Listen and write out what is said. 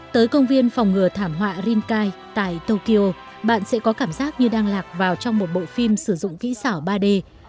tới công viên phòng ngừa thảm họa rinkai tại tokyo bạn sẽ có cảm giác như đang lạc vào trong một bộ phim sử dụng kỹ xảo ba d